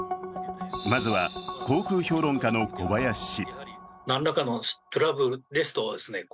まずは航空評論家の小林氏。